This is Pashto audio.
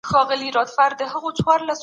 علامه رشاد په تاریخ او ادب کې د دقت استاد وو.